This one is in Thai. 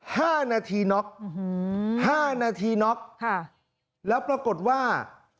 ห้านาทีน็อกอืมห้านาทีน็อกค่ะแล้วปรากฏว่า